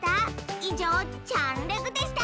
いじょうちゃんレグでした！